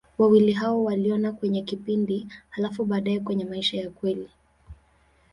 Wawili hao waliona kwenye kipindi, halafu baadaye kwenye maisha ya kweli.